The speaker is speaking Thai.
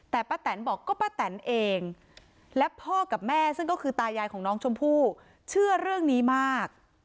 แต่ป้าแตนบอกก็ป้าแตนเองและพ่อกับแม่ซึ่งก็คือตายายของน้องชมพู่เชื่อเรื่องนี้มาก